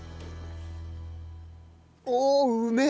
おうめえ！